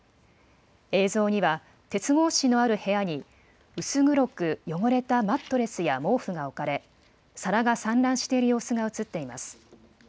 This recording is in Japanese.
映像には、鉄格子のある部屋に、薄黒く汚れたマットレスや毛布が置かれ、皿が散乱している様子が映っています。